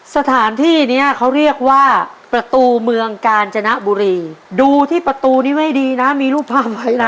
สถานที่เนี้ยเขาเรียกว่าประตูเมืองกาญจนบุรีดูที่ประตูนี้ไม่ดีนะมีรูปภาพไว้นะ